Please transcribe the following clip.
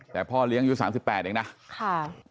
แต่พ่อเลี้ยงยุซังสิบแปดเองนะงั้น้าค่า